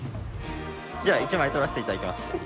じゃあ一枚撮らせていただきます。